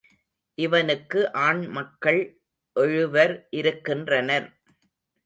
இவனுக்கு ஆண்மக்கள் எழுவர் இருக்கின்றனர்.